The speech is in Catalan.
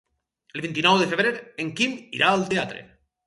El vint-i-nou de febrer en Quim irà al teatre.